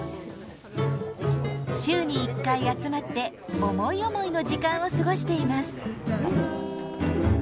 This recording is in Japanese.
週に１回集まって思い思いの時間を過ごしています。